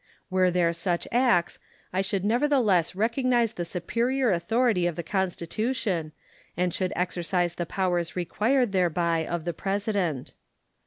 Were there such acts, I should nevertheless recognize the superior authority of the Constitution, and should exercise the powers required thereby of the President.